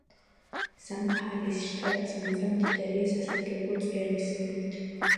ზამფარის შტატის მიწა მდიდარია სასარგებლო წიაღისეულით.